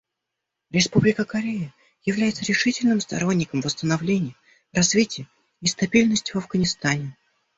Республика Корея является решительным сторонником восстановления, развития и стабильности в Афганистане.